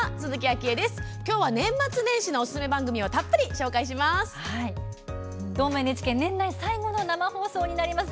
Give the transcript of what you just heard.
きょうは年末年始のおすすめ番組をたっぷり紹介します。